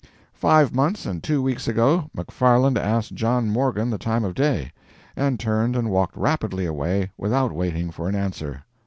Five months and two weeks ago McFarland asked John Morgan the time of day, and turned and walked rapidly away without waiting for an answer.